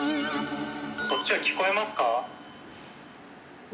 そっちは聞こえますか？